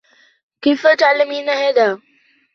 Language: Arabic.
كيفَ تعلمين هذا ؟